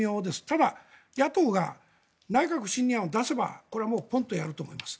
ただ、野党が内閣不信任案を出せばこれはポンとやると思います。